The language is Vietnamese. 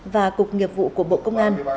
và cục nghiệp vụ của bộ công an